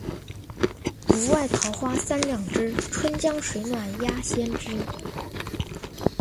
竹外桃花三两枝，春江水暖鸭先知。